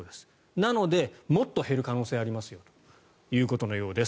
なので、もっと減る可能性ありますよということのようです。